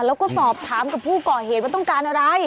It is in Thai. แล้วก็สอบถามกับผู้ก่อเหตุว่าต้องการอะไร